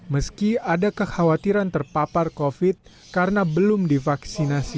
meski ada kekhawatiran terpapar covid karena belum divaksinasi